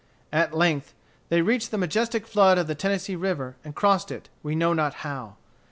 At length they reached the majestic flood of the Tennessee River, and crossed it, we know not how.